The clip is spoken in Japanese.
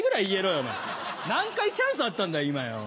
お前何回チャンスあったんだ今。